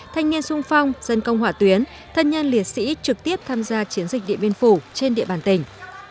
thanh niên sung phong dân công hỏa tuyến thân nhân liệt sĩ trực tiếp tham gia chiến dịch điện biên phủ trên địa bàn tỉnh